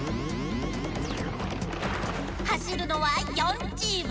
はしるのは４チーム。